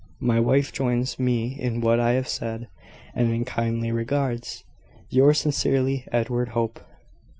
"My wife joins me in what I have said, and in kindly regards. "Yours sincerely, "Edward Hope."